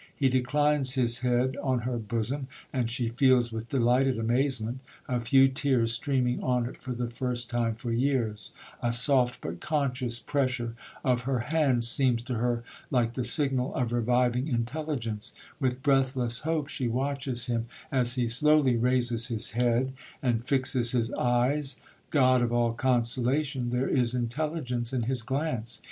He declines his head on her bosom, and she feels with delighted amazement, a few tears streaming on it for the first time for years—a soft but conscious pressure of her hand, seems to her like the signal of reviving intelligence—with breathless hope she watches him as he slowly raises his head, and fixes his eyes—God of all consolation, there is intelligence in his glance!